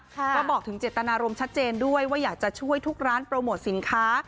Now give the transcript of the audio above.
ก็บอกถึงเจตนารมณ์ชัดเจนด้วยว่าอยากจะช่วยทุกร้านโปรโมทสินค้า